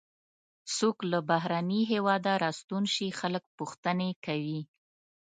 څوک له بهرني هېواده راستون شي خلک پوښتنې کوي.